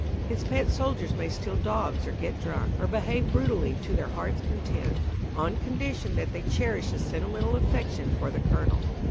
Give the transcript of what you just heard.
His pet soldiers may steal dogs or get drunk, or behave brutally to their heart's content, on condition that they cherish a sentimental affection for the Colonel.